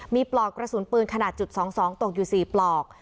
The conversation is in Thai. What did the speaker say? มีปลอกกระสุนปืนขนาดจุด๒๒ตกอยู่๔ปลอก